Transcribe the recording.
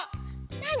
なに？